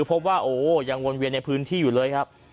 พบว่ายังวนเวียนในพื้นที่เลยครับ